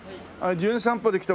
『じゅん散歩』で来た